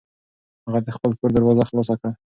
هغه د خپل کور دروازه خلاصه کړه.